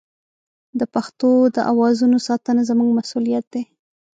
د پښتو د اوازونو ساتنه زموږ مسوولیت دی.